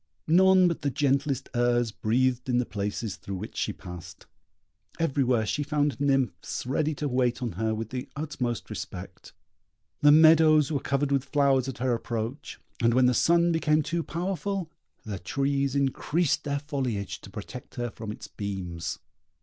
None but the gentlest airs breathed in the places through which she passed. Everywhere she found nymphs ready to wait on her with the utmost respect; the meadows were covered with flowers at her approach; and when the sun became too powerful, the trees increased their foliage to protect her from its beams.